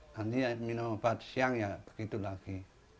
nanti minum obat siang ya begitu lagi